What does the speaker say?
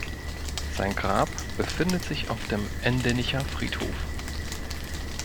Sein Grab befindet sich auf dem Endenicher Friedhof.